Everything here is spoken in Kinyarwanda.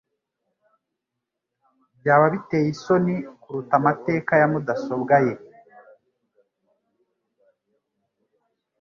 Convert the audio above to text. byaba biteye isoni kuruta amateka ya mudasobwa ye.